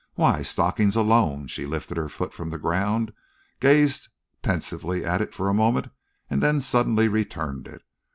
Why, stockings alone," she lifted her foot from the ground, gazed pensively at it for a moment and then suddenly returned it.